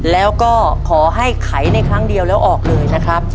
แล้วก็ขอให้ไขในครั้งเดียวแล้วออกเลยนะครับ